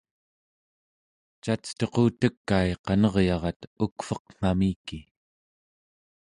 cacetuqutekai qaneryarat ukveqngamiki